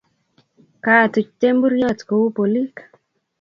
katuch temburyot kou polik